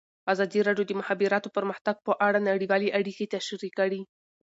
ازادي راډیو د د مخابراتو پرمختګ په اړه نړیوالې اړیکې تشریح کړي.